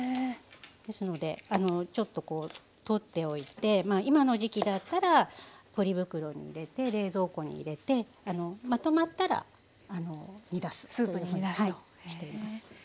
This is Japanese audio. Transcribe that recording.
ですのでちょっと取っておいて今の時期だったらポリ袋に入れて冷蔵庫に入れてまとまったら煮出すっていうはいしています。